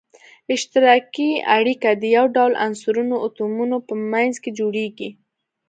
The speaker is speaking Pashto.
اشتراکي اړیکه د یو ډول عنصرونو اتومونو په منځ کې جوړیږی.